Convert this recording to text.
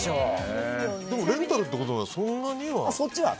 レンタルってことはそんなには？